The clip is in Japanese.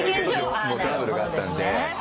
トラブルがあったんで。